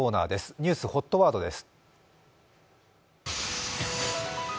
ニュースＨＯＴワードです。